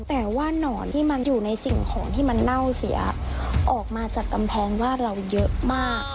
แต่ว่านอนที่มันอยู่ในสิ่งของที่มันเน่าเสียออกมาจากกำแพงบ้านเราเยอะมาก